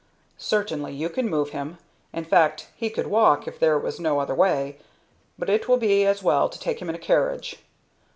"Certainly you can move him; in fact, he could walk if there was no other way; but it will be as well to take him in a carriage.